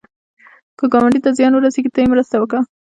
که ګاونډي ته زیان ورسېږي، ته یې مرسته وکړه